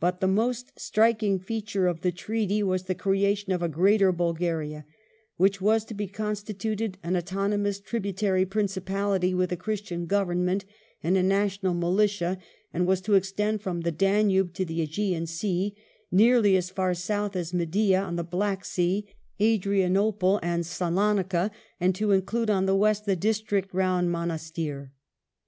But the most striking feature of the Treaty was the creation of a greater Bulgaria, which was to be constituted an autonomous tributary Principality with a Christian Government and a national militia, and was to extend from the Danube to the ^Egean Sea, nearly as far south as Midia (on the Black Sea), Adrianople and Salonica, and to include, on the West, the district round Monastir.